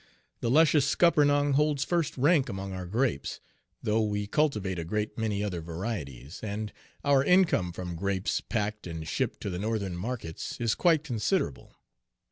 The luscious scuppernong holds first rank among our grapes, though we cultivate a great many other varieties, and our income from grapes packed and shipped to the Northern markets is quite considerable.